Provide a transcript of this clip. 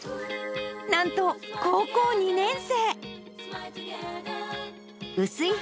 なんと高校２年生。